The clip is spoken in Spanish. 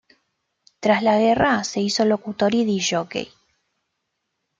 Tras la guerra se hizo locutor y disc jockey.